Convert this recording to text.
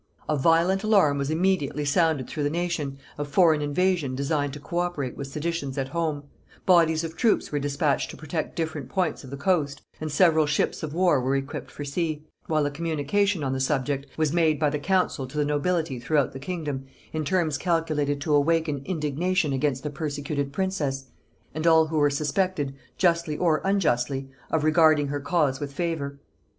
A violent alarm was immediately sounded through the nation, of foreign invasion designed to co operate with seditions at home; bodies of troops were dispatched to protect different points of the coast; and several ships of war were equipped for sea; while a communication on the subject was made by the council to the nobility throughout the kingdom, in terms calculated to awaken indignation against the persecuted princess, and all who were suspected, justly or unjustly, of regarding her cause with favor.